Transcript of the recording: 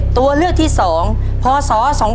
ตัวเลือดที่สองพศ๒๕๕๒